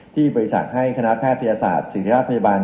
ที่ประจักษ์ให้คณะแพทยศาสตร์ศิรราษภัยบาล